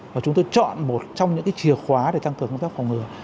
và chúng tôi chọn một trong những chìa khóa để tăng cường công tác phòng ngừa